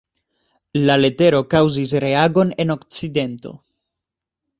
La letero kaŭzis reagon en Okcidento.